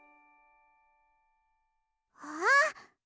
あっ！